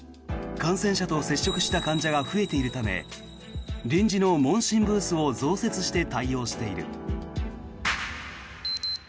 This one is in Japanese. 感染者と接触した患者が増えているため臨時の問診ブースを増設して対応している。